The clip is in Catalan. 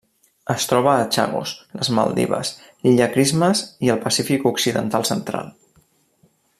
Es troba a Chagos, les Maldives, l'Illa Christmas i el Pacífic occidental central.